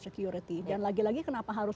security dan lagi lagi kenapa harus